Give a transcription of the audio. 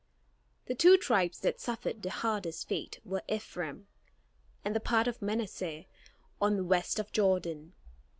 The two tribes that suffered the hardest fate were Ephraim, and the part of Manasseh on the west of Jordan.